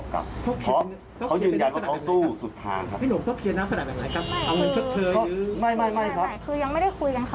มันก็ขึ้นเป็นหน้าคนมา